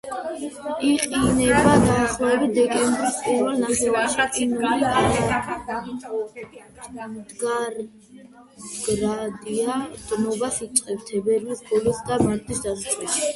იყინება დაახლოებით დეკემბრის პირველ ნახევარში, ყინული არამდგრადია; დნობას იწყებს თებერვლის ბოლოს და მარტის დასაწყისში.